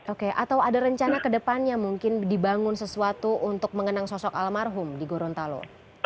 oke atau ada rencana ke depannya mungkin dibangun sesuatu untuk mengenang sosok almarhum di gorontalo